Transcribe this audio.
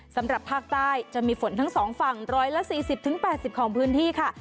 สำหรับภาคใต้จะมีฝนทั้งสองฝั่งร้อยละสี่สิบถึงแปดสิบของพื้นที่ค่ะ